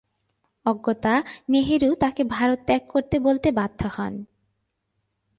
অগত্যা নেহেরু তাকে ভারত ত্যাগ করতে বলতে বাধ্য হন।